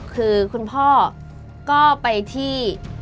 คือคุณพ่อก็ไปที่